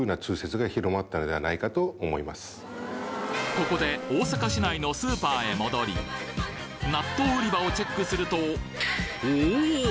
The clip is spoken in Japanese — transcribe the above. ここで大阪市内のスーパーへ戻り納豆売り場をチェックするとおぉ！